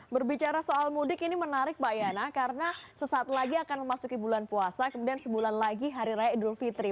berbicara soal mudik ini menarik pak yana karena sesaat lagi akan memasuki bulan puasa kemudian sebulan lagi hari raya idul fitri